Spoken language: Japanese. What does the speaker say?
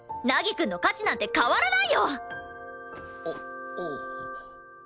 凪くんの価値なんて変わらないよ！